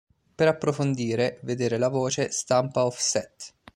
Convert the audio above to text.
Per approfondire vedere la voce stampa offset.